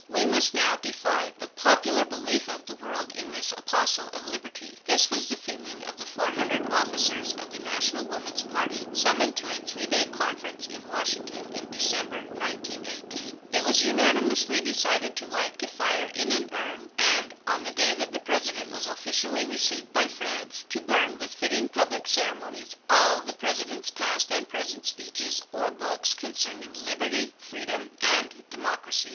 We must now defy the popular belief of the world in this apostle of liberty. This was the feeling of the four hundred officers of the National Woman's Party, summoned to a three days' conference in Washington in December, 1918. It was unanimously decided to light a fire in an urn, and, on the day that the President was officially received by France, to burn with fitting public ceremonies all the President's past and present speeches or books concerning "liberty", "freedom" and "democracy."